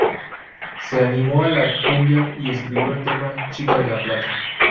Se animó a la Cumbia y escribió el tema "Chica de La Plata".